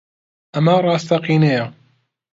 ئەمە ڕاستەقینەیە؟